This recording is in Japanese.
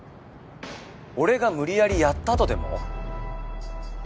俺が無理やりヤったとでも？